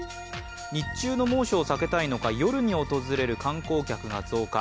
日中の猛暑を避けたいのか夜に訪れる観光客が増加。